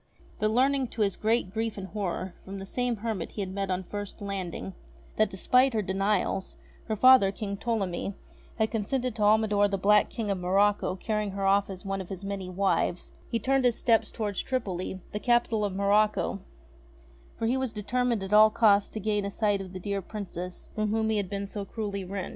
But, learning to his great grief and horror from the same hermit he had met on first landing, that, despite her denials, her father, King Ptolemy, had consented to Almidor the black King of Morocco carrying her off as one of his many wives, he turned his steps towards Tripoli, the capital of Morocco ; for he was determined at all costs to gain a sight of the dear Princess from whom he had been so cruelly rent.